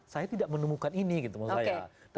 saya tidak menemukan ini gitu maksud saya